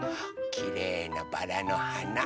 きれいなバラのはな。